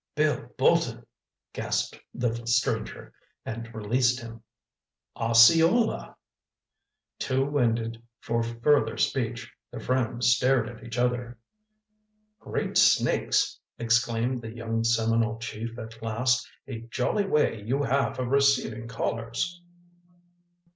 "Bill Bolton!" gasped the stranger, and released him. "Osceola!" Too winded for further speech the friends stared at each other. "Great snakes!" exclaimed the young Seminole chief at last. "A jolly way you have of receiving callers!"